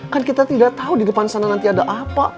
kan kita tidak tahu di depan sana nanti ada apa